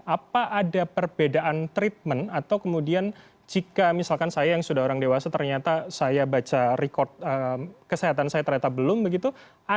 apa ada perbedaan treatment atau kemudian jika misalkan saya yang sudah orang dewasa ternyata saya baca record kesehatan saya ternyata belum begitu